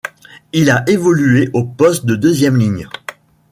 Il a évolué au poste de deuxième ligne.